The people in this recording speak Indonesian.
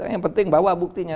yang penting bawa buktinya